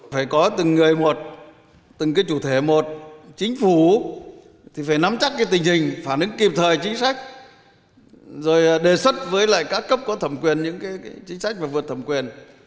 phải có từng người một từng cái chủ thể một chính phủ thì phải nắm chắc cái tình hình phản ứng kịp thời chính sách rồi đề xuất với lại các cấp có thẩm quyền những cái chính sách mà vượt thẩm quyền